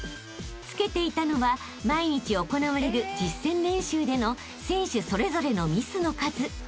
［つけていたのは毎日行われる実戦練習での選手それぞれのミスの数］